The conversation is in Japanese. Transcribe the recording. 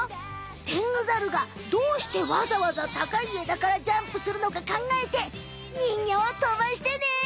テングザルがどうしてわざわざ高い枝からジャンプするのかかんがえてにんぎょうをとばしてね！